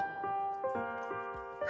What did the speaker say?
「あ！」